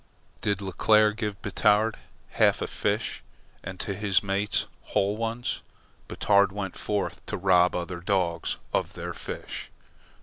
Did Leclere give Batard half a fish and to his mates whole ones, Batard went forth to rob other dogs of their fish.